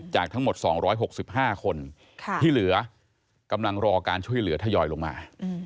จากทั้งหมด๒๖๕คนที่เหลือกำลังรอการช่วยเหลือทยอยลงมา